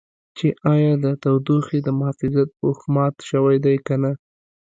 چې ایا د تودوخې د محافظت پوښ مات شوی دی که نه.